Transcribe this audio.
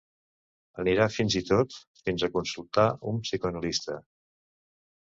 Anirà fins i tot fins a consultar un psicoanalista.